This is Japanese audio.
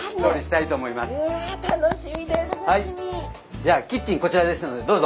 じゃあキッチンこちらですのでどうぞ。